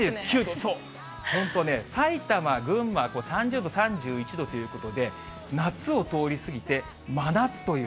そう、本当ね、埼玉、群馬、３０度、３１度ということで、夏を通り過ぎて、真夏という。